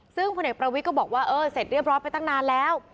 ซึ่งพลเอกประวิทย์ก็บอกว่าเออเสร็จเรียบร้อยไปตั้งนานแล้ว